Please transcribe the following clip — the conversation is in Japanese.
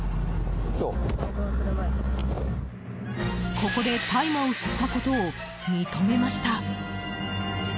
ここで大麻を吸ったことを認めました。